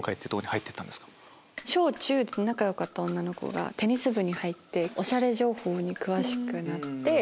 小中と仲良かった女の子がテニス部に入っておしゃれ情報に詳しくなって。